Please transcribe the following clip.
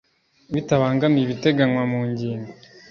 Bitabangamiye ibiteganywa mu ingingo